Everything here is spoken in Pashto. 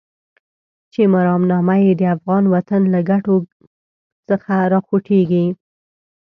چې مرامنامه يې د افغان وطن له ګټو څخه راوخوټېږي.